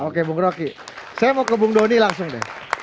oke bung roky saya mau ke bung doni langsung deh